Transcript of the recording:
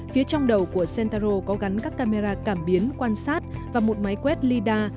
phía trong đầu của centauro có gắn các camera cảm biến quan sát và một máy quét lidar